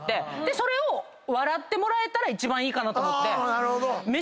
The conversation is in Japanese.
それを笑ってもらえたら一番いいかなと思って。